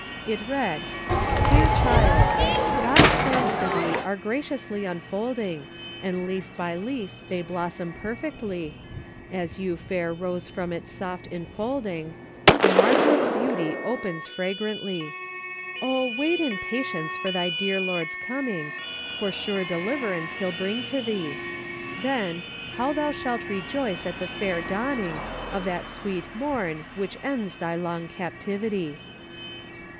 It read :" Dear child: "' God's plans for thee are graciously unfolding, And leaf by leaf they blossom perfectly, As yon fair rose from its soft enfolding. In marvelous beauty opens fragrantly. Oh, wait in patience for thy dear Lord's coming. For sure deliverance he'll bring to thee ; Then, how thou shalt rejoice at the fair dawning Of that sweet morn which ends thy long captivity.